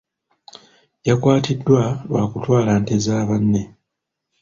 Yakwatiddwa lwa kutwala nte za banne.